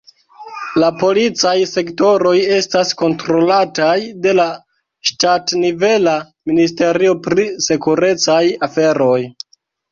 La policaj sektoroj estas kontrolataj de la ŝtatnivela ministerio pri sekurecaj aferoj.